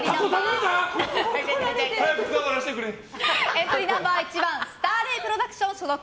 エントリーナンバー１番スターレイプロダクション所属。